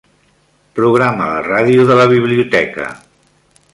Programa la ràdio de la biblioteca.